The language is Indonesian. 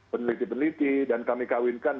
peneliti peneliti dan kami kawinkan